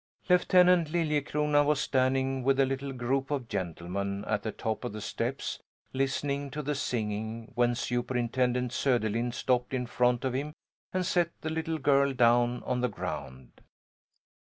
Lieutenant Liljecrona was standing with a little group of gentlemen at the top of the steps, listening to the singing, when Superintendent Söderlind stopped in front of him and set the little girl down on the ground.